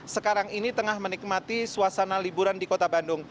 sekarang ini tengah menikmati suasana liburan